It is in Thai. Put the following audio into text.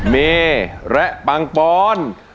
เมย์และปังปร่อง